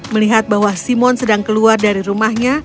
melihat bahwa simon sedang keluar dari rumahnya